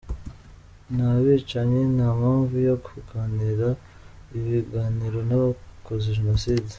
Ni abicanyi, nta mpamvu yo kugirana ibiganiro n’abakoze Jenoside.